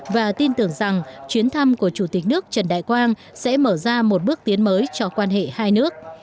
và tin tưởng rằng chuyến thăm của chủ tịch nước trần đại quang sẽ mở ra một bước tiến mới cho quan hệ hai nước